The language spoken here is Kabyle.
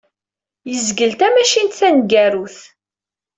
Yezgel tamacint taneggarut.